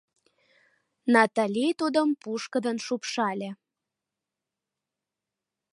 — Натали тудым пушкыдын шупшале.